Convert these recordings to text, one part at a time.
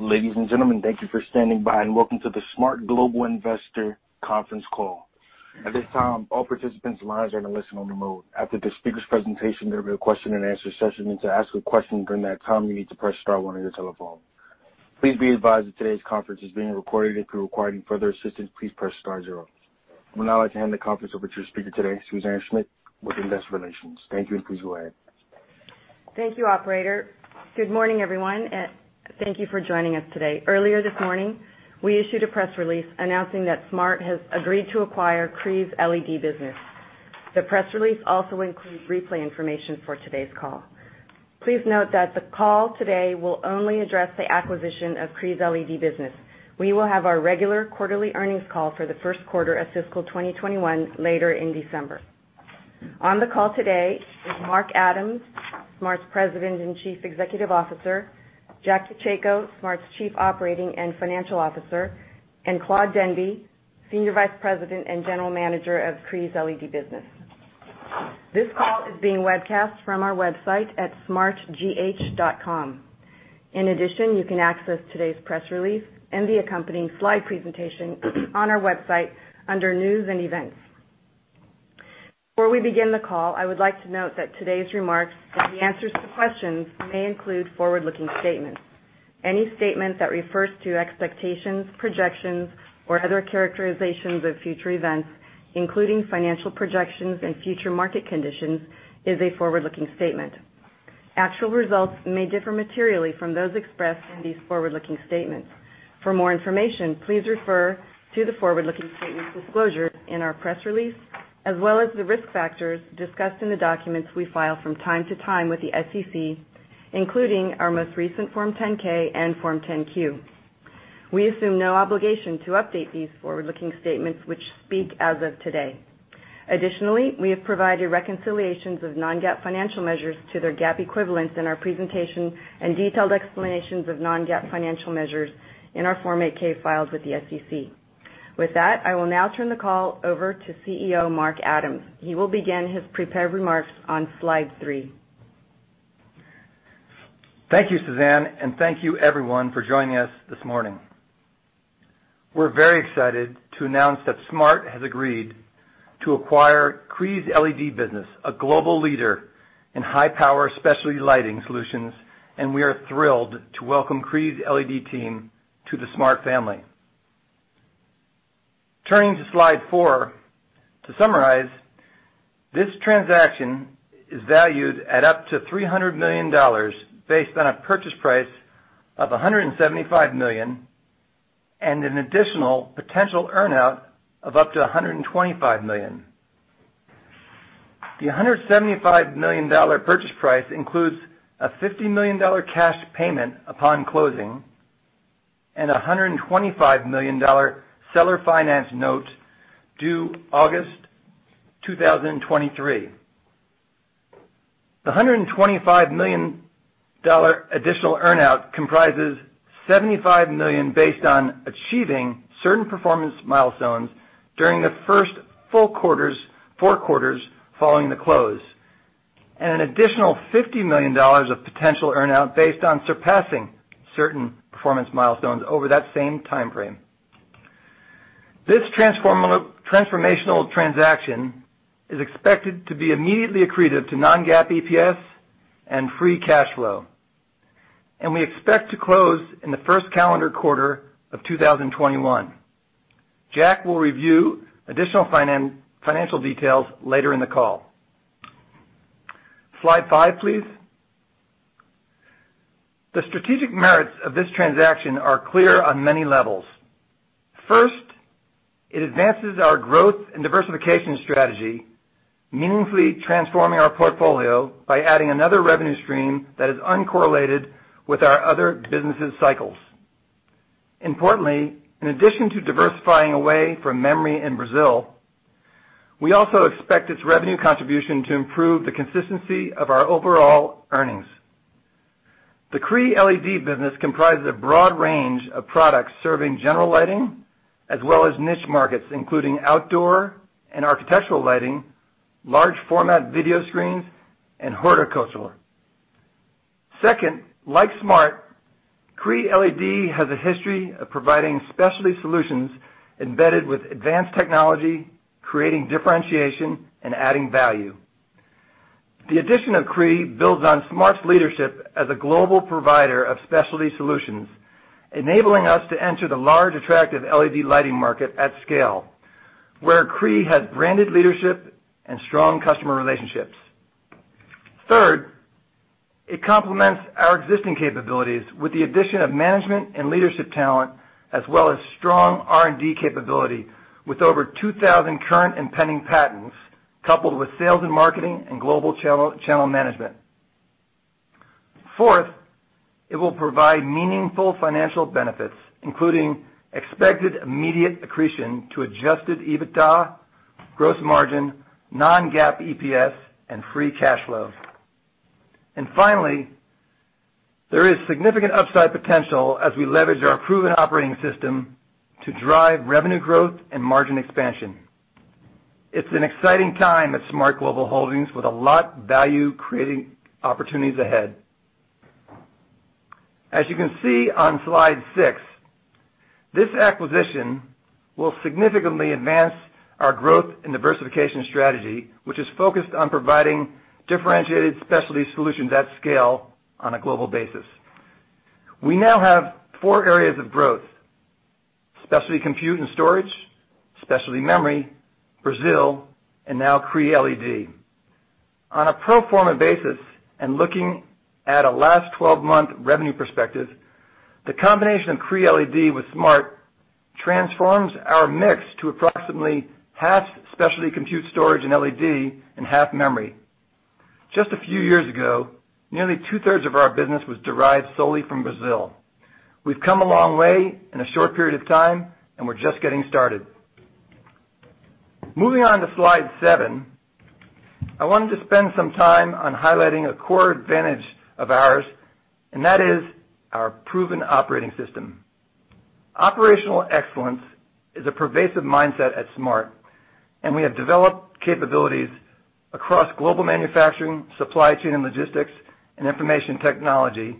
Ladies and gentlemen, thank you for standing by and welcome to the Penguin Solutions Investor Conference Call. I would now like to hand the conference over to your speaker today, Suzanne Schmidt, with Investor Relations. Thank you, and please go ahead. Thank you, operator. Good morning, everyone, and thank you for joining us today. Earlier this morning, we issued a press release announcing that SMART has agreed to acquire Cree's LED business. The press release also includes replay information for today's call. Please note that the call today will only address the acquisition of Cree's LED business. We will have our regular quarterly earnings call for the first quarter of fiscal 2021 later in December. On the call today is Mark Adams, SMART's President and Chief Executive Officer; Jack Pacheco, SMART's Chief Operating and Financial Officer; and Claude Demby, Senior Vice President and General Manager of Cree's LED business. This call is being webcast from our website at smartgh.com. In addition, you can access today's press release and the accompanying slide presentation on our website under News and Events. Before we begin the call, I would like to note that today's remarks and the answers to questions may include forward-looking statements. Any statement that refers to expectations, projections, or other characterizations of future events, including financial projections and future market conditions, is a forward-looking statement. Actual results may differ materially from those expressed in these forward-looking statements. For more information, please refer to the forward-looking statements disclosure in our press release, as well as the risk factors discussed in the documents we file from time to time with the SEC, including our most recent Form 10-K and Form 10-Q. We assume no obligation to update these forward-looking statements, which speak as of today. Additionally, we have provided reconciliations of non-GAAP financial measures to their GAAP equivalents in our presentation and detailed explanations of non-GAAP financial measures in our Form 8-K filed with the SEC. With that, I will now turn the call over to CEO Mark Adams. He will begin his prepared remarks on slide three. Thank you, Suzanne, and thank you everyone for joining us this morning. We're very excited to announce that SMART has agreed to acquire Cree's LED business, a global leader in high-power specialty lighting solutions, and we are thrilled to welcome Cree's LED team to the SMART family. Turning to slide four. To summarize, this transaction is valued at up to $300 million based on a purchase price of $175 million and an additional potential earn-out of up to $125 million. The $175 million purchase price includes a $50 million cash payment upon closing and $125 million seller finance note due August 2023. The $125 million additional earn-out comprises $75 million based on achieving certain performance milestones during the first full four quarters following the close, and an additional $50 million of potential earn-out based on surpassing certain performance milestones over that same timeframe. This transformational transaction is expected to be immediately accretive to non-GAAP EPS and free cash flow. We expect to close in the first calendar quarter of 2021. Jack will review additional financial details later in the call. Slide five, please. The strategic merits of this transaction are clear on many levels. First, it advances our growth and diversification strategy, meaningfully transforming our portfolio by adding another revenue stream that is uncorrelated with our other businesses' cycles. Importantly, in addition to diversifying away from memory in Brazil, we also expect its revenue contribution to improve the consistency of our overall earnings. The Cree LED business comprises a broad range of products serving general lighting as well as niche markets, including outdoor and architectural lighting, large format video screens, and horticultural. Second, like SMART, Cree LED has a history of providing specialty solutions embedded with advanced technology, creating differentiation and adding value. The addition of Cree builds on SMART's leadership as a global provider of specialty solutions, enabling us to enter the large attractive LED lighting market at scale, where Cree has branded leadership and strong customer relationships. Third, it complements our existing capabilities with the addition of management and leadership talent, as well as strong R&D capability with over 2,000 current and pending patents, coupled with sales and marketing and global channel management. Fourth, it will provide meaningful financial benefits, including expected immediate accretion to adjusted EBITDA, gross margin, non-GAAP EPS, and free cash flow. Finally, there is significant upside potential as we leverage our proven operating system to drive revenue growth and margin expansion. It's an exciting time at SMART Global Holdings with a lot value creating opportunities ahead. As you can see on slide six, this acquisition will significantly advance our growth and diversification strategy, which is focused on providing differentiated Specialty Solutions at scale on a global basis. We now have four areas of growth, Specialty Compute and Storage, Specialty Memory, Brazil, and now Cree LED. On a pro forma basis and looking at a last 12-month revenue perspective, the combination of Cree LED with SMART transforms our mix to approximately half Specialty Compute Storage and LED, and half Memory. Just a few years ago, nearly two-thirds of our business was derived solely from Brazil. We've come a long way in a short period of time, and we're just getting started. Moving on to slide seven, I wanted to spend some time on highlighting a core advantage of ours, and that is our proven operating system. Operational excellence is a pervasive mindset at SMART, and we have developed capabilities across global manufacturing, supply chain and logistics, and information technology,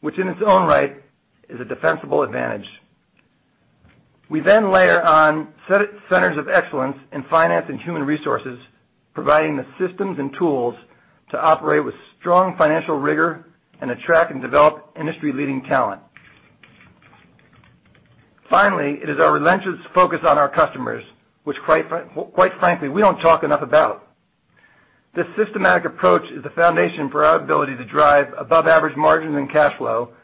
which in its own right is a defensible advantage. We layer on centers of excellence in finance and human resources, providing the systems and tools to operate with strong financial rigor and attract and develop industry-leading talent. Finally, it is our relentless focus on our customers, which quite frankly, we don't talk enough about. This systematic approach is the foundation for our ability to drive above average margin and cash flow,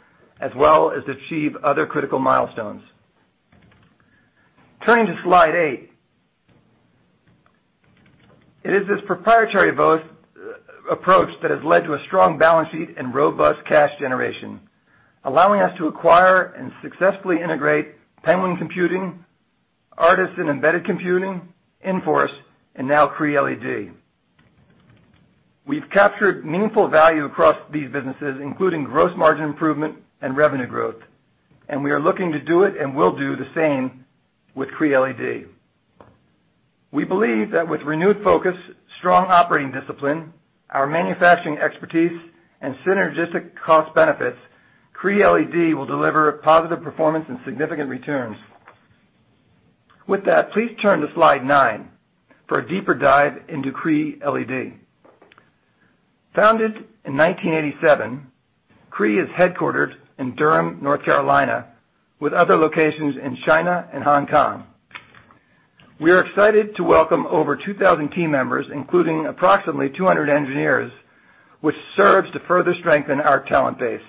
as well as achieve other critical milestones. Turning to slide eight. It is this proprietary approach that has led to a strong balance sheet and robust cash generation, allowing us to acquire and successfully integrate Penguin Computing, Artesyn Embedded Computing, Inforce, and now Cree LED. We've captured meaningful value across these businesses, including gross margin improvement and revenue growth, and we are looking to do it and will do the same with Cree LED. We believe that with renewed focus, strong operating discipline, our manufacturing expertise, and synergistic cost benefits, Cree LED will deliver positive performance and significant returns. With that, please turn to slide nine for a deeper dive into Cree LED. Founded in 1987, Cree is headquartered in Durham, North Carolina, with other locations in China and Hong Kong. We are excited to welcome over 2,000 team members, including approximately 200 engineers, which serves to further strengthen our talent base.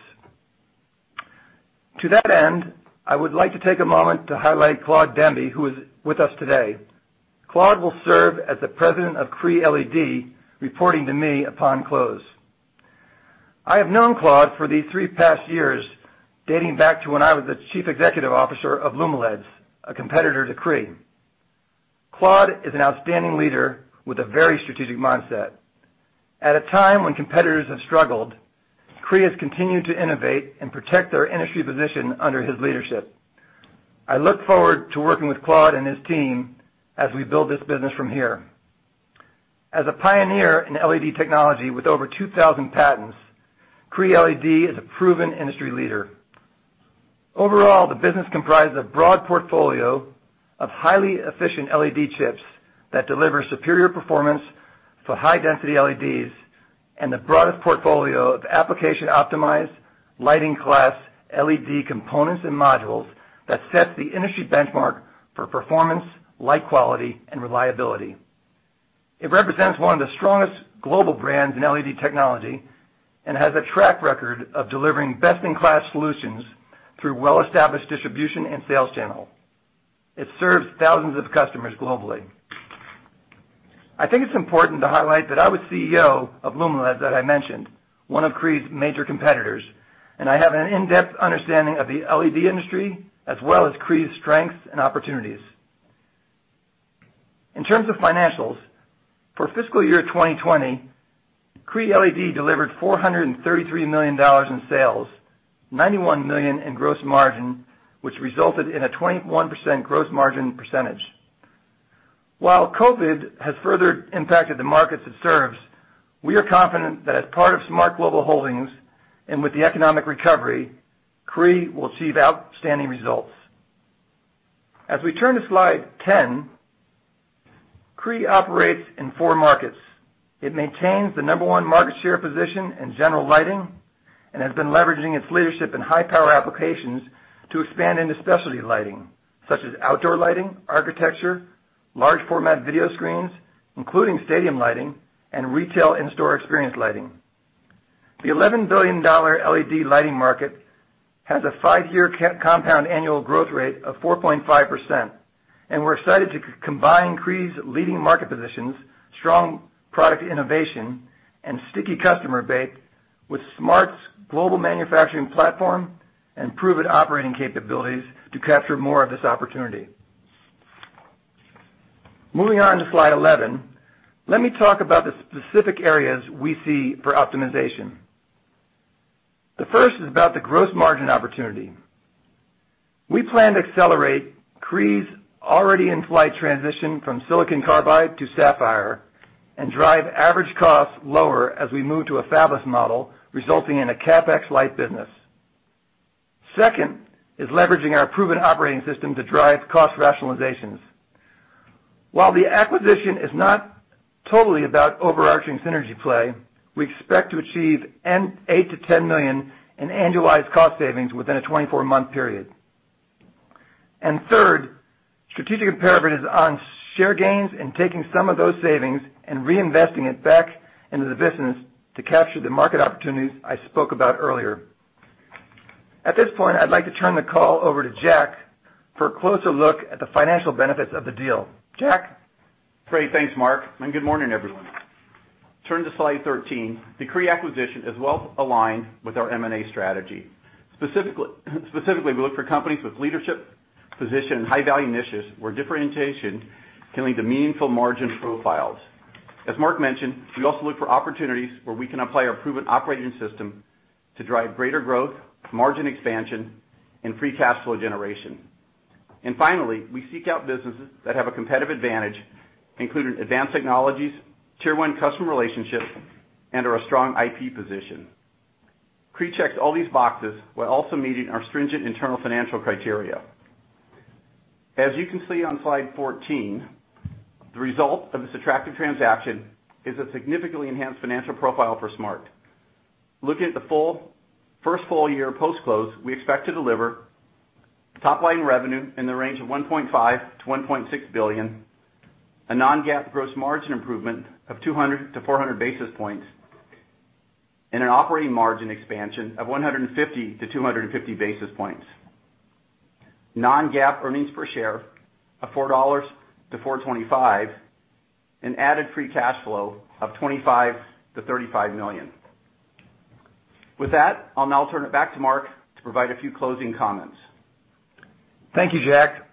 To that end, I would like to take a moment to highlight Claude Demby, who is with us today. Claude will serve as the president of Cree LED, reporting to me upon close. I have known Claude for these three past years, dating back to when I was the chief executive officer of Lumileds, a competitor to Cree. Claude is an outstanding leader with a very strategic mindset. At a time when competitors have struggled, Cree has continued to innovate and protect their industry position under his leadership. I look forward to working with Claude and his team as we build this business from here. As a pioneer in LED technology with over 2,000 patents, Cree LED is a proven industry leader. Overall, the business comprises a broad portfolio of highly efficient LED chips that deliver superior performance for high-density LEDs and the broadest portfolio of application-optimized lighting class LED components and modules that sets the industry benchmark for performance, light quality, and reliability. It represents one of the strongest global brands in LED technology and has a track record of delivering best-in-class solutions through well-established distribution and sales channel. It serves thousands of customers globally. I think it's important to highlight that I was CEO of Lumileds that I mentioned, one of Cree's major competitors, and I have an in-depth understanding of the LED industry, as well as Cree's strengths and opportunities. In terms of financials, for fiscal year 2020, Cree LED delivered $433 million in sales, $91 million in gross margin, which resulted in a 21% gross margin percentage. While COVID has further impacted the markets it serves, we are confident that as part of SMART Global Holdings and with the economic recovery, Cree will achieve outstanding results. As we turn to slide 10, Cree operates in four markets. It maintains the number one market share position in general lighting and has been leveraging its leadership in high-power applications to expand into specialty lighting, such as outdoor lighting, architecture, large format video screens, including stadium lighting and retail in-store experience lighting. The $11 billion LED lighting market has a 5-year compound annual growth rate of 4.5%. We're excited to combine Cree's leading market positions, strong product innovation, and sticky customer base with SMART's global manufacturing platform and proven operating capabilities to capture more of this opportunity. Moving on to slide 11, let me talk about the specific areas we see for optimization. The first is about the gross margin opportunity. We plan to accelerate Cree's already in-flight transition from silicon carbide to sapphire and drive average costs lower as we move to a fabless model, resulting in a CapEx-light business. Second is leveraging our proven operating system to drive cost rationalizations. While the acquisition is not totally about overarching synergy play, we expect to achieve $8 million-$10 million in annualized cost savings within a 24-month period. Third, strategic imperative is on share gains and taking some of those savings and reinvesting it back into the business to capture the market opportunities I spoke about earlier. At this point, I'd like to turn the call over to Jack Pacheco for a closer look at the financial benefits of the deal. Jack? Great. Thanks, Mark. Good morning, everyone. Turn to slide 13. The Cree acquisition is well aligned with our M&A strategy. Specifically, we look for companies with leadership position in high-value niches where differentiation can lead to meaningful margin profiles. As Mark mentioned, we also look for opportunities where we can apply our proven operating system to drive greater growth, margin expansion, and free cash flow generation. Finally, we seek out businesses that have a competitive advantage, including advanced technologies, Tier 1 customer relationships, and/or a strong IP position. Cree checks all these boxes while also meeting our stringent internal financial criteria. As you can see on slide 14, the result of this attractive transaction is a significantly enhanced financial profile for SMART. Looking at the first full year post-close, we expect to deliver top-line revenue in the range of $1.5 billion-$1.6 billion, a non-GAAP gross margin improvement of 200-400 basis points, and an operating margin expansion of 150-250 basis points, non-GAAP earnings per share of $4-$4.25, and added free cash flow of $25 million-$35 million. With that, I'll now turn it back to Mark to provide a few closing comments. Thank you, Jack.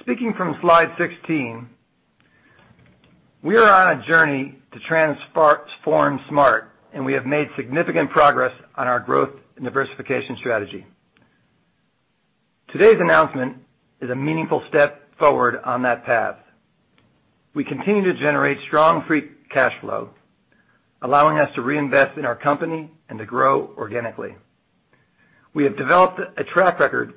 Speaking from slide 16, we are on a journey to transform SMART, we have made significant progress on our growth and diversification strategy. Today's announcement is a meaningful step forward on that path. We continue to generate strong free cash flow, allowing us to reinvest in our company and to grow organically. We have developed a track record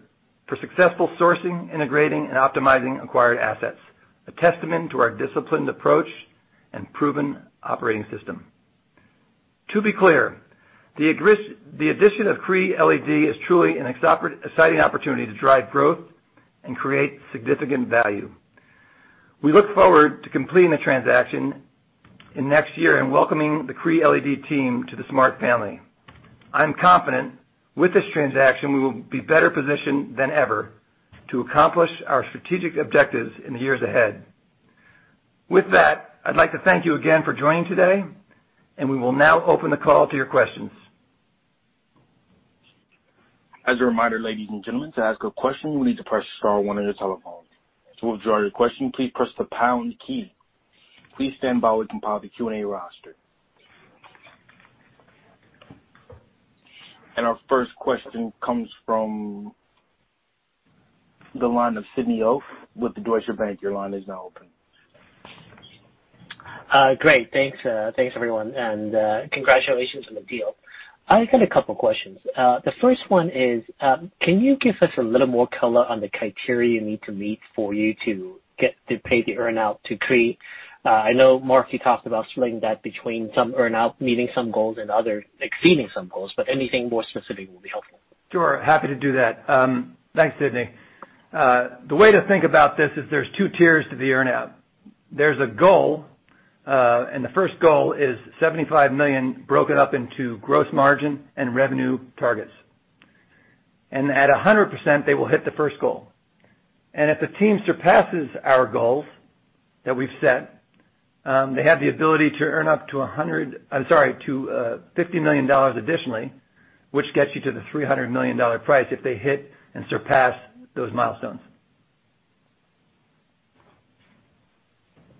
for successful sourcing, integrating, and optimizing acquired assets, a testament to our disciplined approach and proven operating system. To be clear, the addition of Cree LED is truly an exciting opportunity to drive growth and create significant value. We look forward to completing the transaction in next year and welcoming the Cree LED team to the SMART family. I am confident with this transaction, we will be better positioned than ever to accomplish our strategic objectives in the years ahead. With that, I'd like to thank you again for joining today, and we will now open the call to your questions. As a reminder, ladies and gentlemen, to ask a question, you will need to press star one on your telephone. To withdraw your question, please press the pound key. Please stand by while we compile the Q&A roster. Our first question comes from the line of Sidney Ho with Deutsche Bank. Your line is now open. Great. Thanks, everyone, congratulations on the deal. I've got a couple of questions. The first one is, can you give us a little more color on the criteria you need to meet for you to get to pay the earn-out to Cree? I know, Mark, you talked about splitting that between some earn-out, meeting some goals and other exceeding some goals, but anything more specific will be helpful. Sure. Happy to do that. Thanks, Sidney. The way to think about this is there's 2 tiers to the earn-out. There's a goal, the first goal is $75 million broken up into gross margin and revenue targets. At 100%, they will hit the first goal. If the team surpasses our goals that we've set, they have the ability to earn up to $50 million additionally, which gets you to the $300 million price if they hit and surpass those milestones.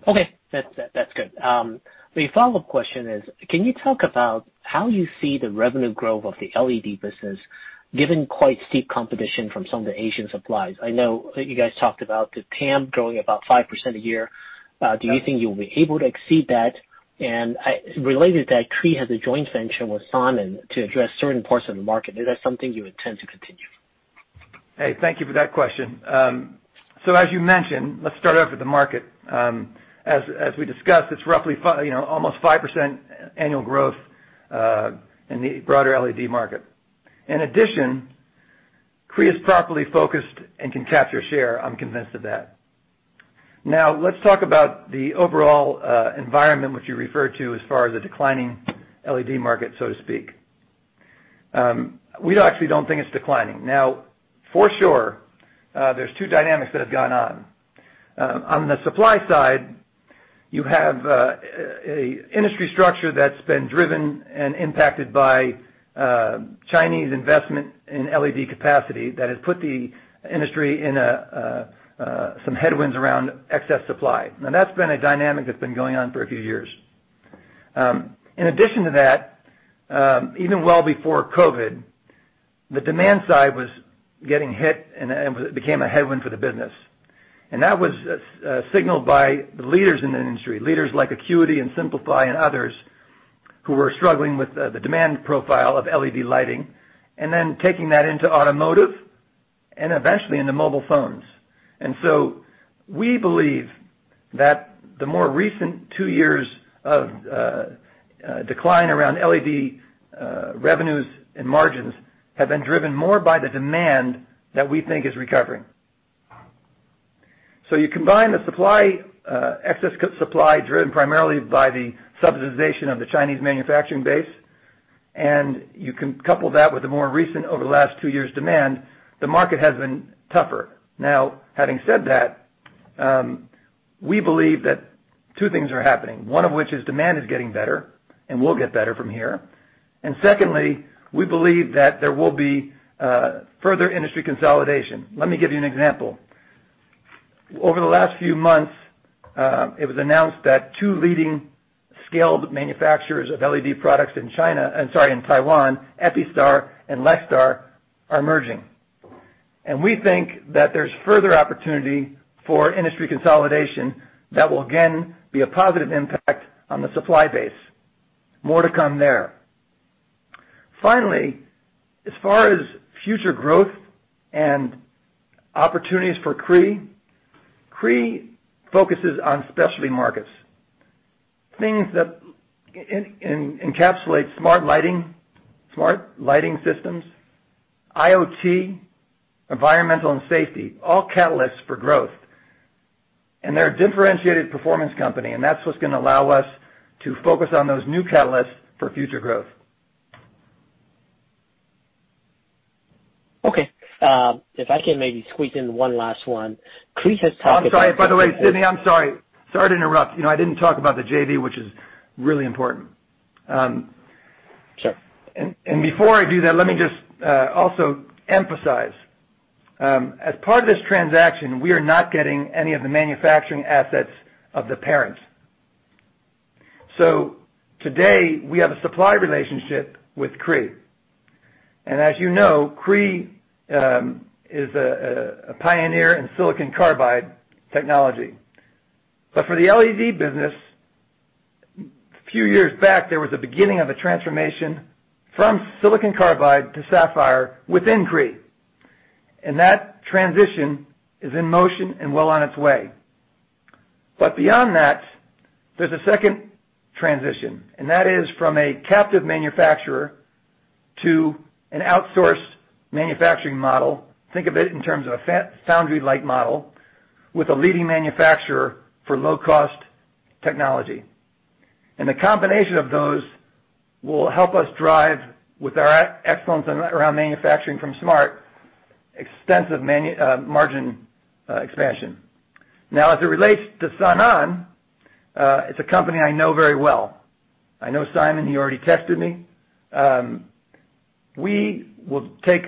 Okay. That's good. The follow-up question is, can you talk about how you see the revenue growth of the LED business given quite steep competition from some of the Asian suppliers? I know that you guys talked about the TAM growing about 5% a year. Do you think you'll be able to exceed that? Related to that, Cree has a joint venture with Sanan to address certain parts of the market. Is that something you intend to continue? Hey, thank you for that question. As you mentioned, let's start off with the market. As we discussed, it's roughly almost 5% annual growth in the broader LED market. In addition, Cree is properly focused and can capture share. I'm convinced of that. Let's talk about the overall environment, which you referred to as far as the declining LED market, so to speak. We actually don't think it's declining. For sure, there's two dynamics that have gone on. On the supply side, you have a industry structure that's been driven and impacted by Chinese investment in LED capacity that has put the industry in some headwinds around excess supply. That's been a dynamic that's been going on for a few years. In addition to that, even well before COVID, the demand side was getting hit and it became a headwind for the business. That was signaled by the leaders in the industry, leaders like Acuity and Signify and others, who were struggling with the demand profile of LED lighting, and then taking that into automotive, and eventually into mobile phones. We believe that the more recent two years of decline around LED revenues and margins have been driven more by the demand that we think is recovering. You combine the excess supply driven primarily by the subsidization of the Chinese manufacturing base, and you couple that with the more recent, over the last two years' demand, the market has been tougher. Now, having said that, we believe that two things are happening, one of which is demand is getting better and will get better from here. Secondly, we believe that there will be further industry consolidation. Let me give you an example. Over the last few months, it was announced that two leading scaled manufacturers of LED products in Taiwan, Epistar and Lextar, are merging. We think that there's further opportunity for industry consolidation that will again be a positive impact on the supply base. More to come there. Finally, as far as future growth and opportunities for Cree focuses on specialty markets, things that encapsulate smart lighting systems, IoT, environmental and safety, all catalysts for growth. They're a differentiated performance company, and that's what's going to allow us to focus on those new catalysts for future growth. Okay. If I can maybe squeeze in one last one. I'm sorry. By the way, Sidney, I'm sorry. Sorry to interrupt. I didn't talk about the JV, which is really important. Sure. Before I do that, let me just also emphasize, as part of this transaction, we are not getting any of the manufacturing assets of the parent. Today, we have a supply relationship with Cree. As you know, Cree is a pioneer in silicon carbide technology. For the LED business, a few years back, there was a beginning of a transformation from silicon carbide to sapphire within Cree, and that transition is in motion and well on its way. Beyond that, there's a second transition, and that is from a captive manufacturer to an outsourced manufacturing model. Think of it in terms of a foundry-like model with a leading manufacturer for low-cost technology. The combination of those will help us drive, with our excellence around manufacturing from SMART, extensive margin expansion. Now, as it relates to Sanan, it's a company I know very well. I know Simon, he already texted me. We will take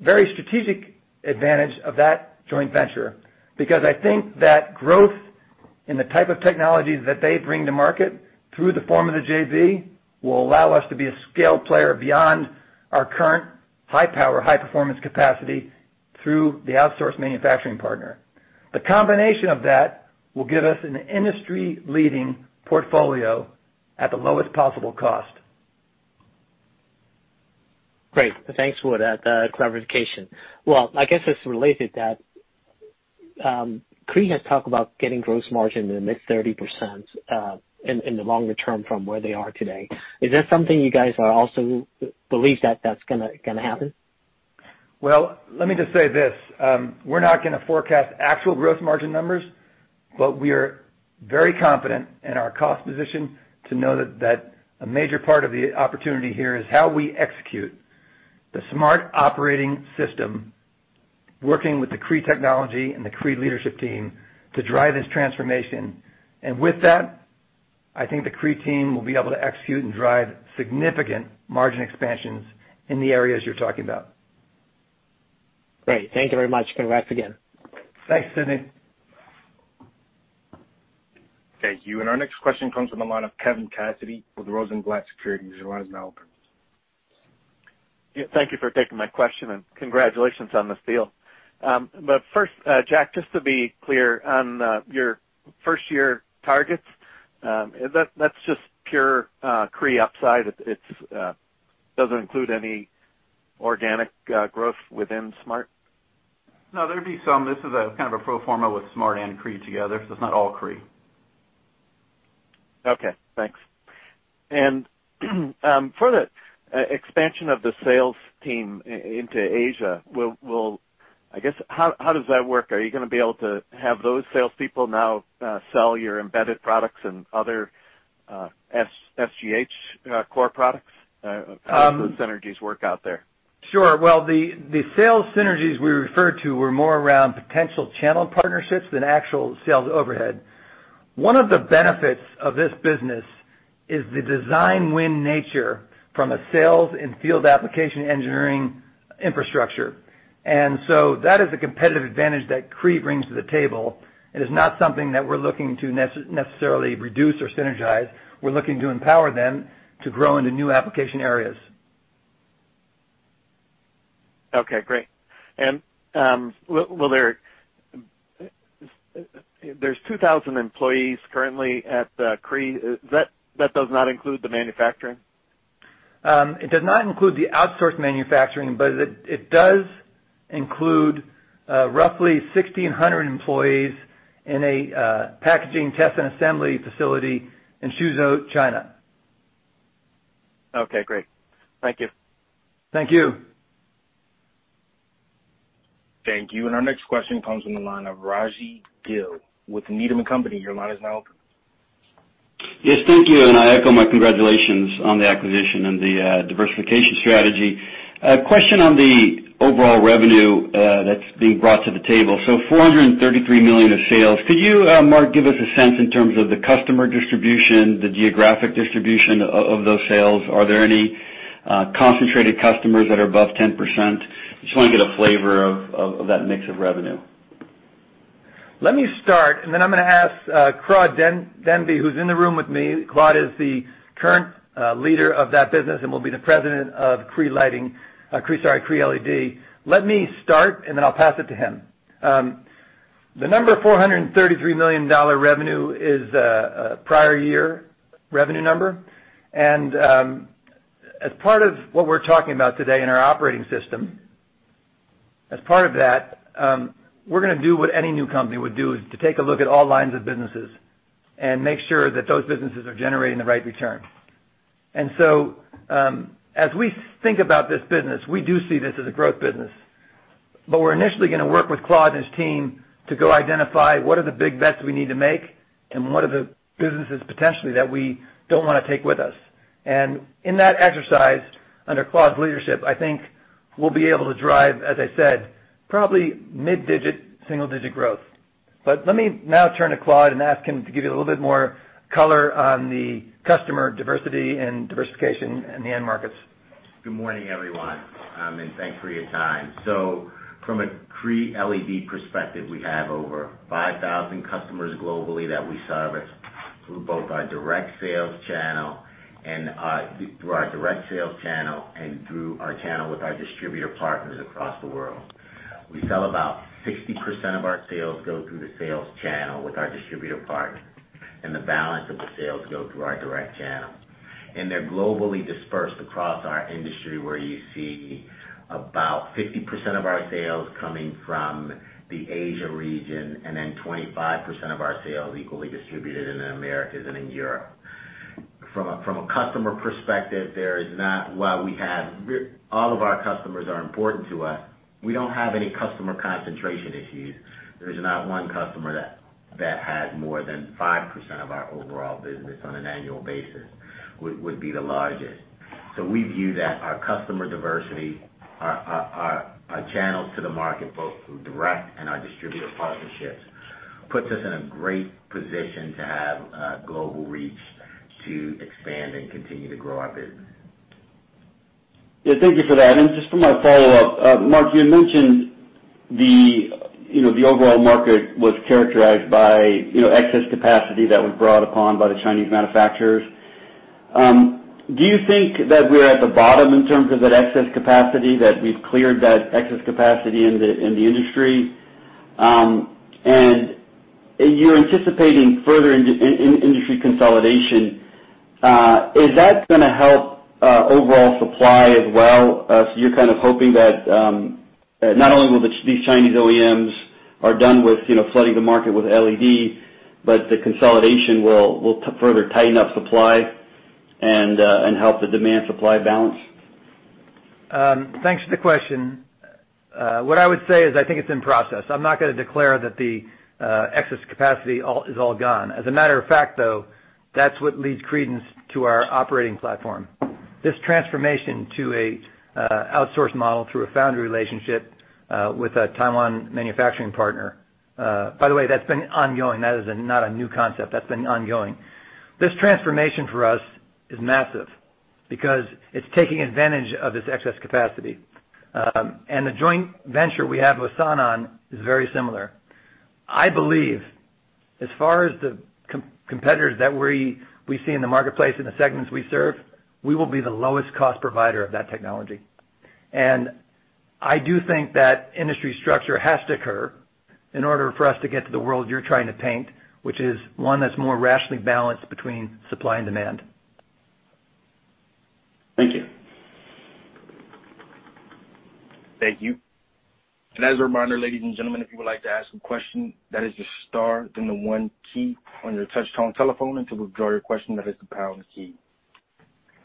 very strategic advantage of that joint venture, because I think that growth in the type of technologies that they bring to market through the form of the JV will allow us to be a scaled player beyond our current high-power, high-performance capacity through the outsourced manufacturing partner. The combination of that will give us an industry-leading portfolio at the lowest possible cost. Great. Thanks for that clarification. Well, I guess it's related that, Cree has talked about getting gross margin in the mid-30% in the longer term from where they are today. Is that something you guys also believe that's going to happen? Well, let me just say this. We're not going to forecast actual gross margin numbers, but we are very confident in our cost position to know that a major part of the opportunity here is how we execute the SMART operating system, working with the Cree technology and the Cree leadership team to drive this transformation. With that, I think the Cree team will be able to execute and drive significant margin expansions in the areas you're talking about. Great. Thank you very much. Congrats again. Thanks, Sidney. Thank you. Our next question comes from the line of Kevin Cassidy with Rosenblatt Securities. Yeah, thank you for taking my question, and congratulations on this deal. First, Jack, just to be clear on your first-year targets, that's just pure Cree upside? It doesn't include any organic growth within SMART? No, there'd be some. This is kind of a pro forma with SMART and Cree together, so it's not all Cree. Okay, thanks. For the expansion of the sales team into Asia, I guess, how does that work? Are you going to be able to have those salespeople now sell your embedded products and other SGH core products? How does those synergies work out there? Sure. Well, the sales synergies we referred to were more around potential channel partnerships than actual sales overhead. One of the benefits of this business is the design win nature from a sales and field application engineering infrastructure. That is a competitive advantage that Cree brings to the table. It is not something that we're looking to necessarily reduce or synergize. We're looking to empower them to grow into new application areas. Okay, great. There's 2,000 employees currently at Cree. That does not include the manufacturing? It does not include the outsourced manufacturing, but it does include roughly 1,600 employees in a packaging test and assembly facility in Suzhou, China. Okay, great. Thank you. Thank you. Thank you. Our next question comes from the line of Raji Gill with Needham & Company. Your line is now open. Yes, thank you, and I echo my congratulations on the acquisition and the diversification strategy. $433 million of sales. Could you, Mark, give us a sense in terms of the customer distribution, the geographic distribution of those sales? Are there any concentrated customers that are above 10%? Just want to get a flavor of that mix of revenue. Let me start, then I'm going to ask Claude Demby, who's in the room with me. Claude is the current leader of that business and will be the President of Cree Lighting, sorry, Cree LED. Let me start, then I'll pass it to him. The number $433 million revenue is a prior year revenue number. As part of what we're talking about today in our operating system, as part of that, we're going to do what any new company would do, is to take a look at all lines of businesses and make sure that those businesses are generating the right return. As we think about this business, we do see this as a growth business, but we're initially going to work with Claude and his team to go identify what are the big bets we need to make, and what are the businesses potentially that we don't want to take with us. In that exercise, under Claude's leadership, I think we'll be able to drive, as I said, probably mid-digit, single-digit growth. Let me now turn to Claude and ask him to give you a little bit more color on the customer diversity and diversification in the end markets. Good morning, everyone, and thanks for your time. From a Cree LED perspective, we have over 5,000 customers globally that we service through both our direct sales channel and through our channel with our distributor partners across the world. We sell about 60% of our sales go through the sales channel with our distributor partners, and the balance of the sales go through our direct channel. They're globally dispersed across our industry, where you see about 50% of our sales coming from the Asia region, and then 25% of our sales equally distributed in the Americas and in Europe. From a customer perspective, while all of our customers are important to us, we don't have any customer concentration issues. There's not one customer that has more than 5% of our overall business on an annual basis, would be the largest. We view that our customer diversity, our channels to the market, both through direct and our distributor partnerships, puts us in a great position to have a global reach to expand and continue to grow our business. Yeah, thank you for that. Just for my follow-up, Mark, you had mentioned the overall market was characterized by excess capacity that was brought upon by the Chinese manufacturers. Do you think that we're at the bottom in terms of that excess capacity, that we've cleared that excess capacity in the industry? You're anticipating further industry consolidation. Is that going to help overall supply as well as you're kind of hoping that not only will these Chinese OEMs are done with flooding the market with LED, but the consolidation will further tighten up supply and help the demand-supply balance? Thanks for the question. What I would say is I think it's in process. I'm not going to declare that the excess capacity is all gone. As a matter of fact, though, that's what leads credence to our operating platform. This transformation to an outsource model through a foundry relationship with a Taiwan manufacturing partner. By the way, that's been ongoing. That is not a new concept. That's been ongoing. This transformation for us is massive because it's taking advantage of this excess capacity. The joint venture we have with Sanan is very similar. I believe as far as the competitors that we see in the marketplace, in the segments we serve, we will be the lowest cost provider of that technology. I do think that industry structure has to occur in order for us to get to the world you're trying to paint, which is one that's more rationally balanced between supply and demand. Thank you. Thank you. As a reminder, ladies and gentlemen, if you would like to ask a question, that is the star, then the one key on your touch-tone telephone, and to withdraw your question, that is the pound key.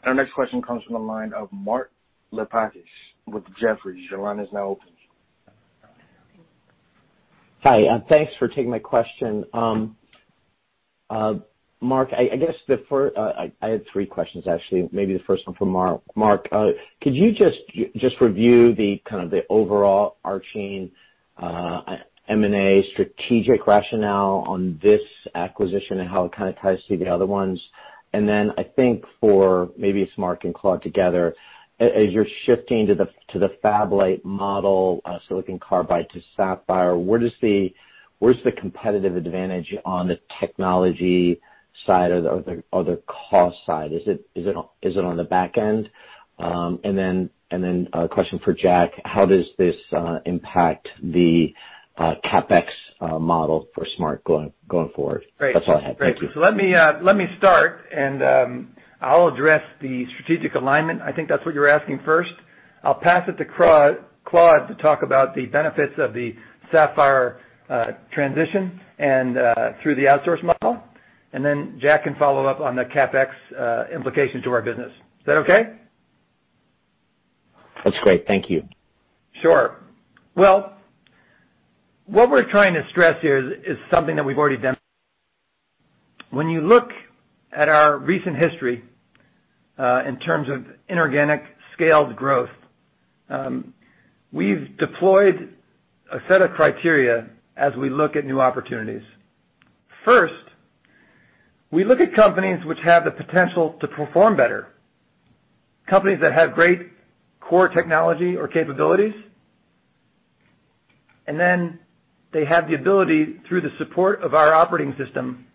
Our next question comes from the line of Mark Lipacis with Jefferies. Your line is now open. Hi, and thanks for taking my question. Mark, I have three questions actually. Maybe the first one for Mark. Mark, could you just review the overall overarching M&A strategic rationale on this acquisition and how it ties to the other ones? Then I think for, maybe it's Mark and Claude together, as you're shifting to the fab-lite model, silicon carbide to sapphire, where's the competitive advantage on the technology side or the cost side? Is it on the back end? Then a question for Jack, how does this impact the CapEx model for SMART going forward? Great. That's all I had. Thank you. Great. Let me start, and I'll address the strategic alignment. I think that's what you're asking first. I'll pass it to Claude to talk about the benefits of the sapphire transition and through the outsource model, and then Jack can follow up on the CapEx implication to our business. Is that okay? That's great. Thank you. Sure. What we're trying to stress here is something that we've already done. When you look at our recent history, in terms of inorganic scaled growth, we've deployed a set of criteria as we look at new opportunities. First, we look at companies which have the potential to perform better, companies that have great core technology or capabilities, and then they have the ability through the support of our operating system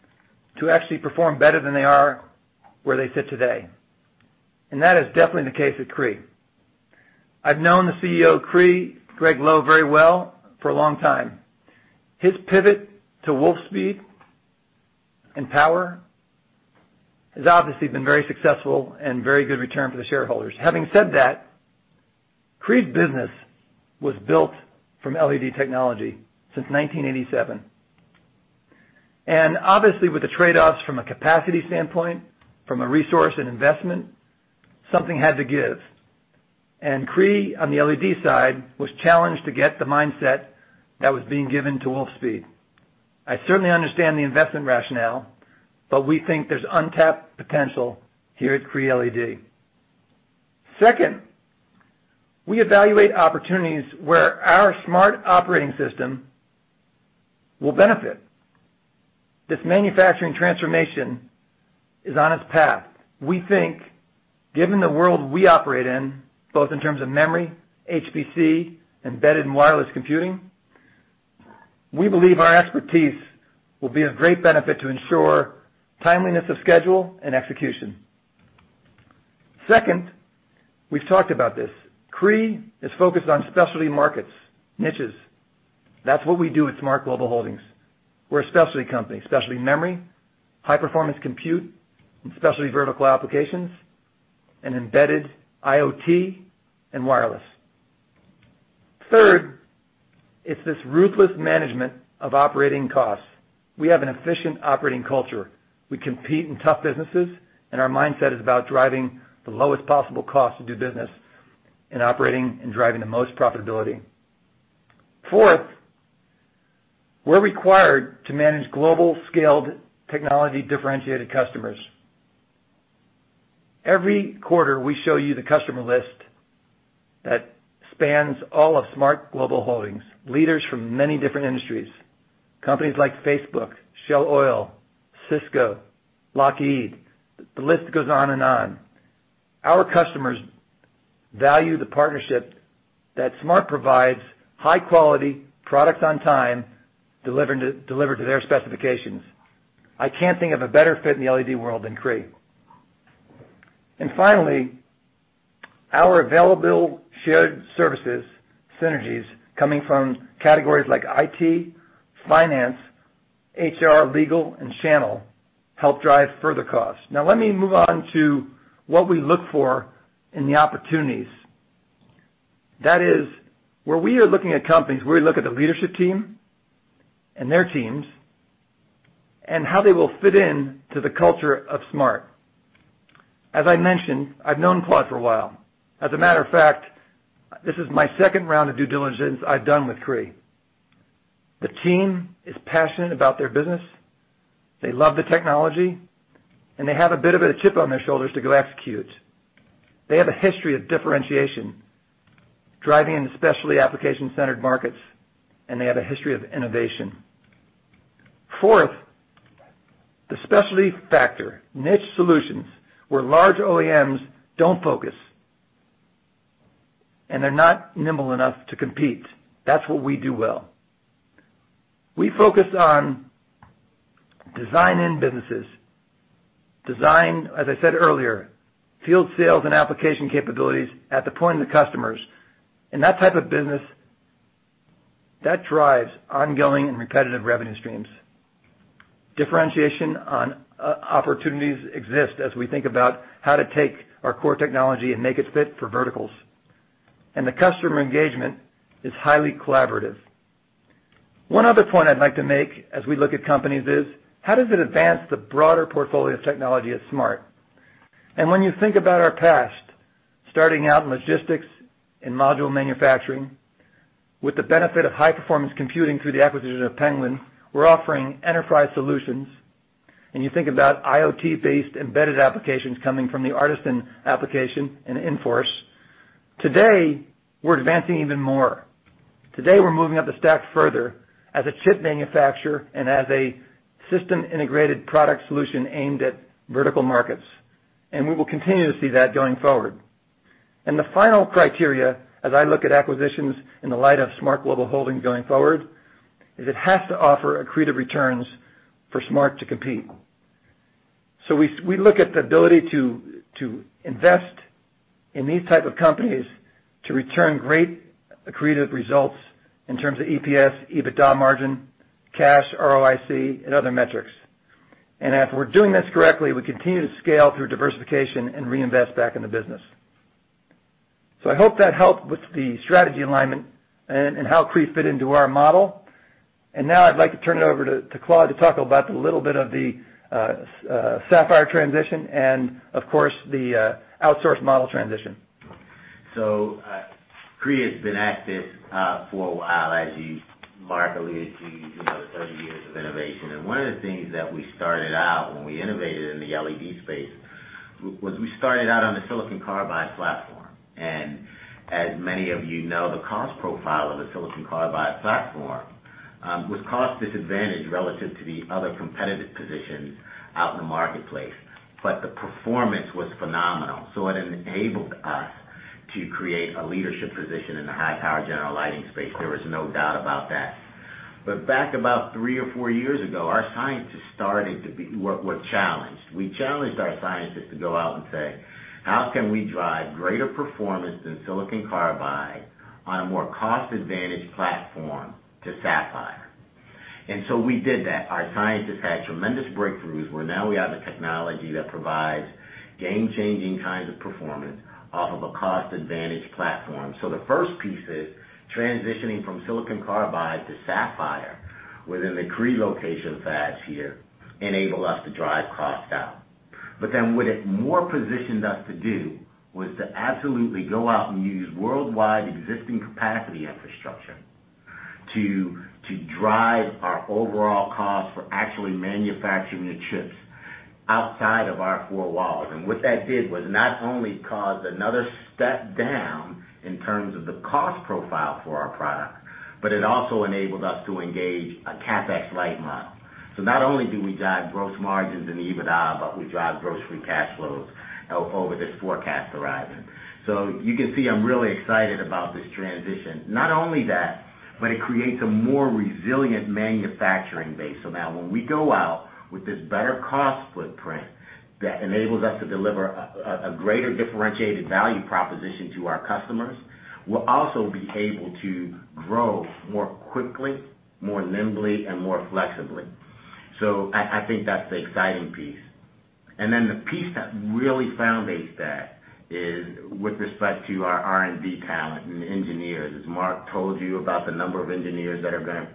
to actually perform better than they are where they sit today. That is definitely the case with Cree. I've known the CEO of Cree, Gregg Lowe, very well for a long time. His pivot to Wolfspeed and Power has obviously been very successful and very good return for the shareholders. Having said that, Cree business was built from LED technology since 1987. Obviously with the trade-offs from a capacity standpoint, from a resource and investment, something had to give. Cree, on the LED side, was challenged to get the mindset that was being given to Wolfspeed. I certainly understand the investment rationale, but we think there's untapped potential here at Cree LED. Second, we evaluate opportunities where our SMART operating system will benefit. This manufacturing transformation is on its path. We think given the world we operate in, both in terms of memory, HPC, embedded and wireless computing, we believe our expertise will be of great benefit to ensure timeliness of schedule and execution. We've talked about this. Cree is focused on specialty markets, niches. That's what we do at SMART Global Holdings. We're a specialty company, specialty memory, high-performance compute, and specialty vertical applications, and embedded IoT and wireless. It's this ruthless management of operating costs. We have an efficient operating culture. We compete in tough businesses. Our mindset is about driving the lowest possible cost to do business and operating and driving the most profitability. Fourth, we're required to manage global scaled technology differentiated customers. Every quarter, we show you the customer list that spans all of SMART Global Holdings, leaders from many different industries, companies like Facebook, Shell Oil, Cisco, Lockheed, the list goes on and on. Our customers value the partnership that SMART provides high quality products on time, delivered to their specifications. I can't think of a better fit in the LED world than Cree. Finally, our available shared services synergies coming from categories like IT, finance, HR, legal, and channel help drive further costs. Now let me move on to what we look for in the opportunities. That is, where we are looking at companies, we look at the leadership team and their teams and how they will fit in to the culture of SMART. As I mentioned, I've known Claude for a while. As a matter of fact, this is my second round of due diligence I've done with Cree. The team is passionate about their business. They love the technology, and they have a bit of a chip on their shoulders to go execute. They have a history of differentiation, driving into specialty application-centered markets, and they have a history of innovation. Fourth, the specialty factor, niche solutions where large OEMs don't focus, and they're not nimble enough to compete. That's what we do well. We focus on design-end businesses, design, as I said earlier, field sales and application capabilities at the point of the customers. That type of business, that drives ongoing and repetitive revenue streams. Differentiation on opportunities exist as we think about how to take our core technology and make it fit for verticals, and the customer engagement is highly collaborative. One other point I'd like to make as we look at companies is how does it advance the broader portfolio of technology at SMART? When you think about our past, starting out in logistics and module manufacturing, with the benefit of high-performance computing through the acquisition of Penguin, we're offering enterprise solutions, and you think about IoT-based embedded applications coming from the Artesyn application and Inforce Computing. Today, we're advancing even more. Today, we're moving up the stack further as a chip manufacturer and as a system-integrated product solution aimed at vertical markets, and we will continue to see that going forward. The final criteria, as I look at acquisitions in the light of SMART Global Holdings going forward, is it has to offer accretive returns for SMART to compete. We look at the ability to invest in these type of companies to return great accretive results in terms of EPS, EBITDA margin, cash, ROIC, and other metrics. If we're doing this correctly, we continue to scale through diversification and reinvest back in the business. I hope that helped with the strategy alignment and how Cree fit into our model. Now I'd like to turn it over to Claude to talk about the little bit of the sapphire transition and, of course, the outsource model transition. Cree has been at this for a while, as you, Mark alluded to, 30 years of innovation. One of the things that we started out when we innovated in the LED space, was we started out on the silicon carbide platform. As many of you know, the cost profile of a silicon carbide platform was cost-disadvantaged relative to the other competitive positions out in the marketplace. The performance was phenomenal. It enabled us to create a leadership position in the high-power general lighting space. There was no doubt about that. Back about three or four years ago, our scientists were challenged. We challenged our scientists to go out and say, "How can we drive greater performance than silicon carbide on a more cost-advantaged platform to sapphire?" We did that. Our scientists had tremendous breakthroughs, where now we have the technology that provides game-changing kinds of performance off of a cost-advantaged platform. The first piece is transitioning from silicon carbide to sapphire within the Cree location fabs here enable us to drive cost down. Then what it more positioned us to do was to absolutely go out and use worldwide existing capacity infrastructure to drive our overall cost for actually manufacturing the chips outside of our four walls. What that did was not only cause another step down in terms of the cost profile for our product, but it also enabled us to engage a CapEx-light model. Not only do we drive gross margins and EBITDA, but we drive gross free cash flows over this forecast horizon. You can see I'm really excited about this transition. Not only that, but it creates a more resilient manufacturing base. Now when we go out with this better cost footprint that enables us to deliver a greater differentiated value proposition to our customers, we'll also be able to grow more quickly, more nimbly, and more flexibly. I think that's the exciting piece. The piece that really foundates that is with respect to our R&D talent and engineers. As Mark told you about the number of engineers that are going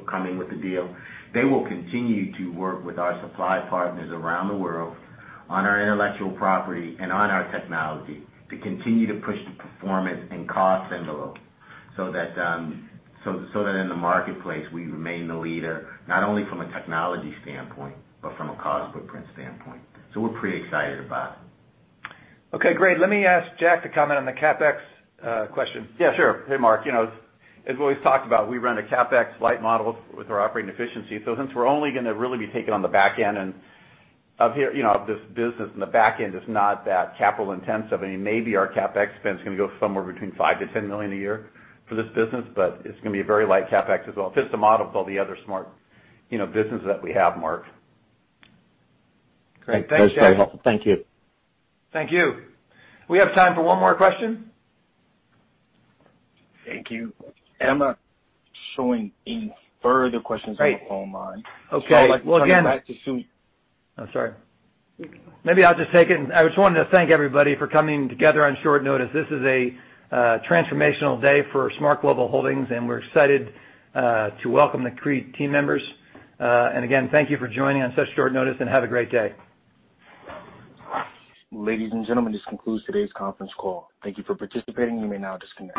to coming with the deal, they will continue to work with our supply partners around the world on our intellectual property and on our technology to continue to push the performance and cost envelope, so that in the marketplace, we remain the leader, not only from a technology standpoint, but from a cost footprint standpoint. We're pretty excited about it. Okay, great. Let me ask Jack to comment on the CapEx question. Yeah, sure. Hey, Mark. As we've always talked about, we run a CapEx-light model with our operating efficiency. Since we're only going to really be taking on the back end of this business, and the back end is not that capital-intensive, and maybe our CapEx spend is going to go somewhere between $5 million-$10 million a year for this business, but it's going to be a very light CapEx as well. It fits the model of all the other SMART businesses that we have, Mark. Great. Thanks, Jack. That's very helpful. Thank you. Thank you. We have time for one more question. Thank you. I'm not showing any further questions on the phone line. Okay. Well. I'd like to turn it back to Su- I'm sorry. Maybe I'll just take it. I just wanted to thank everybody for coming together on short notice. This is a transformational day for SMART Global Holdings, and we're excited to welcome the Cree team members. Again, thank you for joining on such short notice, and have a great day. Ladies and gentlemen, this concludes today's conference call. Thank you for participating. You may now disconnect.